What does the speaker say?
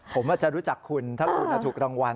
ผมอาจจะรู้จักคุณถ้าคุณถูกรางวัล